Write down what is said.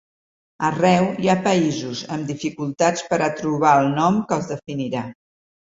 Arreu hi ha països amb dificultats per a trobar el nom que els definirà.